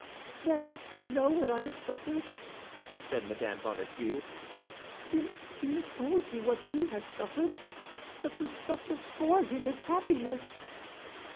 "Then you know what I have suffered," said Mme. Bonacieux, "since he has told you what he has suffered; but to suffer for him is happiness."